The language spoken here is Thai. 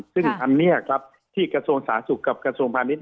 ซึ่งอันนี้ครับที่กระทรวงสาธารณสุขกับกระทรวงพาณิชย